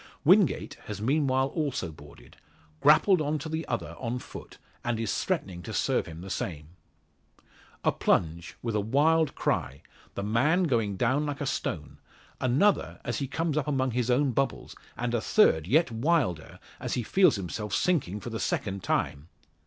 Wingate has meanwhile also boarded, grappled on to the other on foot, and is threatening to serve him the same. A plunge, with a wild cry the man going down like a stone; another, as he comes up among his own bubbles; and a third, yet wilder, as he feels himself sinking for the second time!